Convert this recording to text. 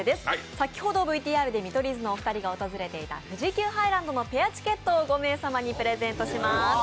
先ほどＶＴＲで見取り図のお二人が訪れた富士急ハイランドのペアチケットを５名様にプレゼントします。